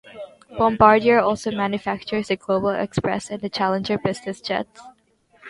Bombardier also manufactures the Global Express and the Challenger business jet.